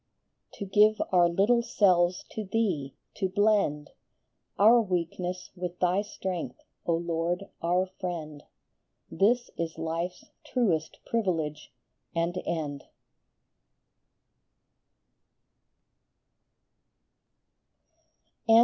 To give our little selves to thee, to blend Our weakness with thy strength, O Lord our Friend, This is life s truest privilege and end.